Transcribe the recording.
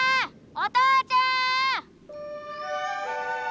お父ちゃん！